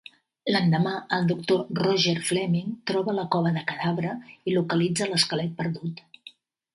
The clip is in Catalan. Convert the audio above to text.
L'endemà, el doctor Roger Fleming troba la cova de Cadavra i localitza l'esquelet perdut.